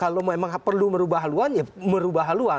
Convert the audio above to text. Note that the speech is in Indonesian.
kalau memang perlu merubah haluan ya merubah haluan